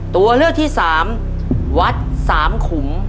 ตัวเลือกที่สามวัดสามขุม